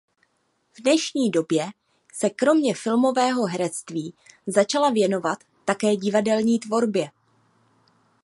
V dnešní době se kromě filmového herectví začala věnovat také divadelní tvorbě.